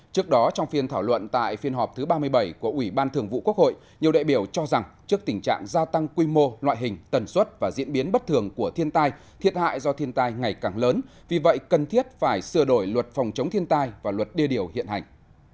trước đó trong phiên thảo luận tại phiên họp thứ ba mươi bảy của ủy ban thường vụ quốc hội nhiều đại biểu cho rằng trước tình trạng gia tăng quy mô loại hình tần suất và diễn biến bất thường của thiên tai thiệt hại do thiên tai ngày càng lớn vì vậy cần thiết phải sửa đổi luật phòng chống thiên tai và luật đê điều hiện hành